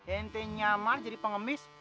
ente nyamar jadi pengemis